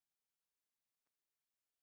ښوونکي د هرې نښې کره کتنه وکړه.